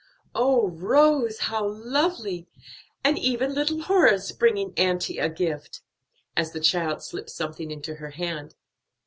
"Oh, Rose, how lovely! and even little Horace bringing auntie a gift!" as the child slipped something into her hand.